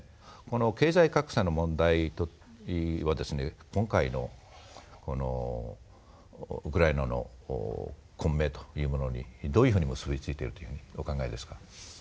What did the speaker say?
この経済格差の問題は今回のウクライナの混迷というものにどういうふうに結び付いているとお考えですか？